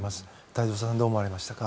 太蔵さん、どう思われましたか。